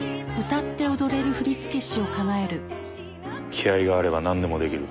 気合いがあれば何でもできる。